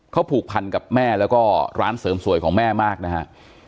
เขาผูกพันกับแม่แล้วก็ร้านเสริมสวยของแม่มากนะฮะ